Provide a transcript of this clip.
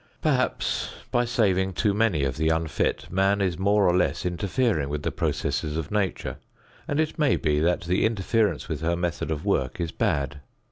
Perhaps by saving too many of the unfit man is more or less interfering with the processes of Nature, and it may be that the interference with her method of work is bad.